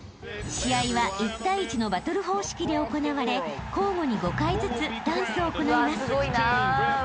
［試合は１対１のバトル方式で行われ交互に５回ずつダンスを行います］